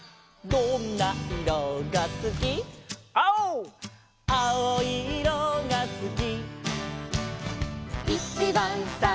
「どんないろがすき」「」「きいろいいろがすき」